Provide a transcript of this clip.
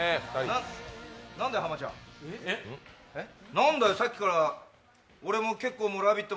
なんだよ、さっきから俺も「ラヴィット！」